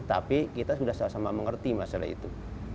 tapi kita sudah sama sama mengerti masalah itu